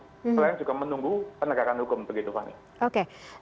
selain juga menunggu penegakan hukum begitu fani